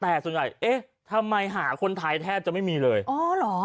แต่ส่วนใหญ่เอ๊ะทำไมหาคนไทยแทบจะไม่มีเลยอ๋อเหรอ